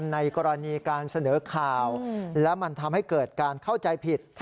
ในกรณีการเสนอข่าวและมันทำให้เกิดการเข้าใจผิด